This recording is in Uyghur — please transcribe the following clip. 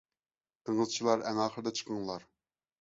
دېڭىزچىلار ئەڭ ئاخىرىدا چىقىڭلار.